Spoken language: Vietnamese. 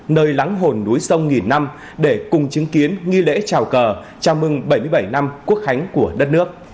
nơi lắng hồn núi sông nghìn năm để cùng chứng kiến nghi lễ trào cờ chào mừng bảy mươi bảy năm quốc khánh của đất nước